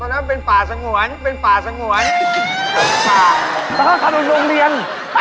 เลยไปหน่อยหนึ่ง